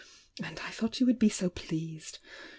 And I thought you would be so pleased!